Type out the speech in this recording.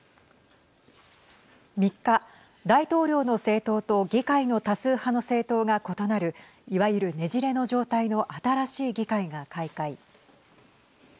３日、大統領の政党と議会の多数派の政党が異なるいわゆる、ねじれの状態の新しい議会が開会。